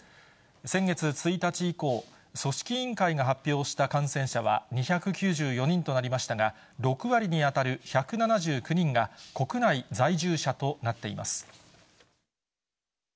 先月１日以降、組織委員会が発表した感染者は２９４人となりましたが、６割に当たる１７９人が、国内在住者となっています。